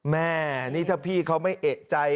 แม่นี่ถ้าพี่เขาไม่เอกใจ